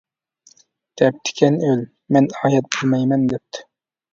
دەپتىكەن، ئۆل :-مەن ئايەت بىلمەيمەن دەپتۇ.